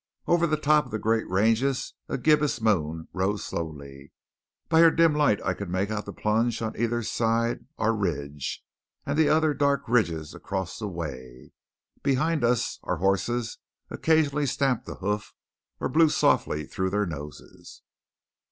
Over the top of the great ranges a gibbous moon rose slowly. By her dim light I could make out the plunge on either side our ridge, and the other dark ridges across the way. Behind us our horses occasionally stamped a hoof or blew softly through their noses.